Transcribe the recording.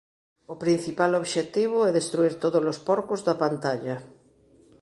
O principal obxectivo é destruír tódolos porcos da pantalla.